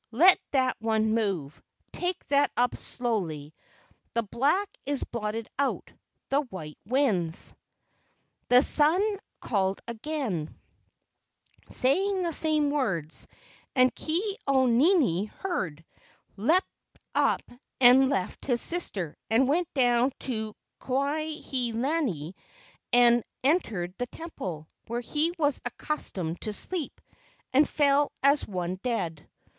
Let that one move. Take that up slowly. The black is blotted out, the white wins." Then the sun called again, saying the same words, and Ke au nini heard, leaped up and left his sister, and went down to Kuai he lani and entered the temple, where he was accustomed to sleep, and fell as one dead.